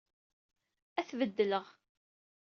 Ad t-beddleɣ.